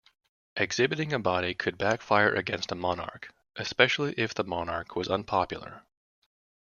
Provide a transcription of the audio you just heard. Exhibiting a body could backfire against a monarch, especially if the monarch was unpopular.